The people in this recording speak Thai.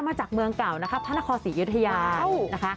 มาจากเมืองเก่านะครับพระนครศรีอยุธยานะคะ